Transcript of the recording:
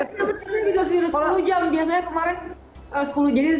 iya tapi saya bisa tidur sepuluh jam biasanya kemarin sepuluh jam jadi sepalam malam gitu ya